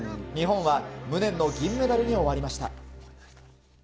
日本は無念の銀メダルに終わりました。